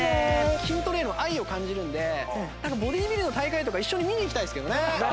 筋トレへの愛を感じるんでボディービルの大会とか一緒に見に行きたいですけどね。